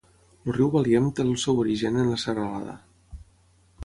El riu Baliem té el seu origen en la serralada.